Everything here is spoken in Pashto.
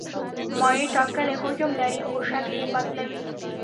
مایع ټاکلی حجم لري خو شکل یې بدلوي.